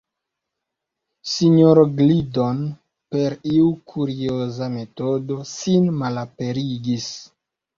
Sinjoro Gliddon, per iu kurioza metodo, sin malaperigis.